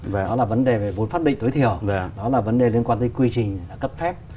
về đó là vấn đề về vốn phát định tối thiểu đó là vấn đề liên quan tới quy trình cấp phép